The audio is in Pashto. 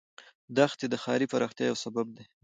دښتې د ښاري پراختیا یو سبب دی.